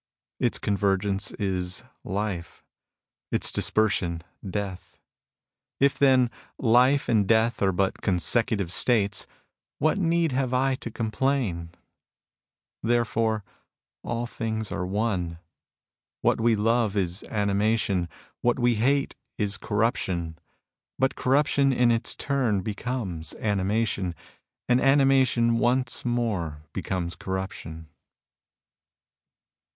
Its convergence is life ; its dispersion, death. If« then, life and death are but consecutive states, what need have I to complain ? Therefore all things are One. What we love is animation. What we hate is corruption. But corruption in its turn becomes animation, and animation once more becomes corruption.